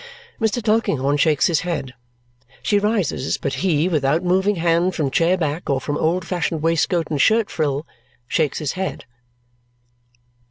Mr. Tulkinghorn shakes his head. She rises, but he, without moving hand from chair back or from old fashioned waistcoat and shirt frill, shakes his head.